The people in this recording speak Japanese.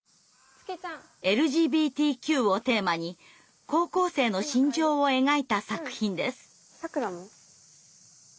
ＬＧＢＴＱをテーマに高校生の心情を描いた作品です。